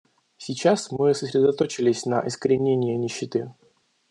Сейчас мы сосредоточились на искоренении нищеты.